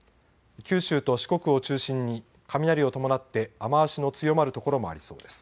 九州と四国を中心に雷を伴って雨足の強まる所もありそうです。